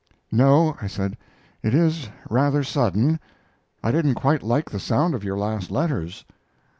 "No," I said, "it is rather sudden. I didn't quite like the sound of your last letters."